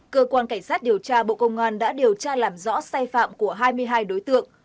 cơ quan cảnh sát điều tra bộ công an đã điều tra làm rõ sai phạm của hai mươi hai đối tượng